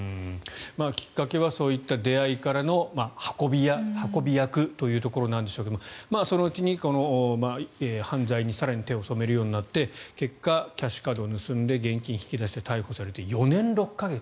きっかけはそういった出会いからの運び屋、運び役ということなんでしょうけどそのうち、犯罪に更に手を染めるようになって結果、キャッシュカードを盗んで現金を引き出して逮捕されて４年６か月。